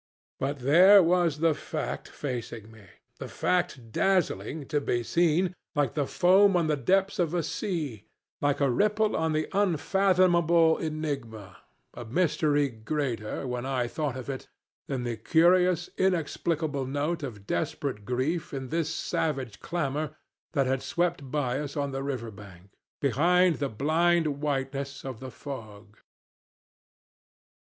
But there was the fact facing me the fact dazzling, to be seen, like the foam on the depths of the sea, like a ripple on an unfathomable enigma, a mystery greater when I thought of it than the curious, inexplicable note of desperate grief in this savage clamor that had swept by us on the river bank, behind the blind whiteness of the fog.